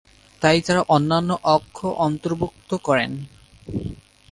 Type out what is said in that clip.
তাই তারা অন্যান্য অক্ষ অন্তর্ভুক্ত করেন।